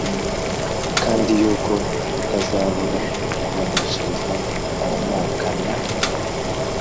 kandi yuko itazabura kubaneshereza Abanyakan